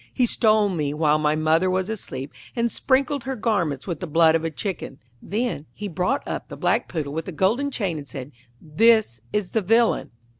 He stole me while my mother was asleep, and sprinkled her garments with the blood of a chicken.' Then he brought up the black Poodle with the golden chain, and said, 'This is the villain.'